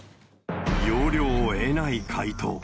要領を得ない回答。